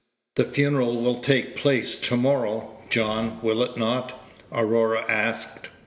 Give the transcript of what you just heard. "The funeral will take place to morrow, John, will it not?" Aurora asked.